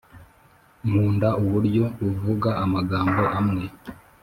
nkunda uburyo uvuga amagambo amwe